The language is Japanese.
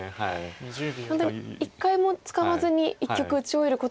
本当に一回も使わずに一局打ち終えることも。